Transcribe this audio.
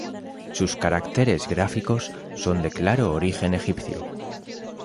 Sus caracteres gráficos son de claro origen egipcio.